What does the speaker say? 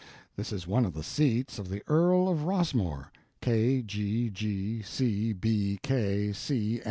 This is one of the seats of the Earl of Rossmore, K. G. G.